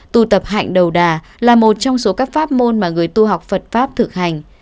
tu tập hạnh đầu đà là một trong số các pháp môn mà người tu học phật pháp thực hành